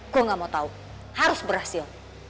gue ga mau tau harus berhasil